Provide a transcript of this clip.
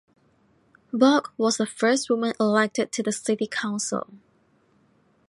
Bogue was the first woman elected to the city council.